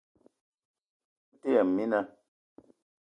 Mete yëm mina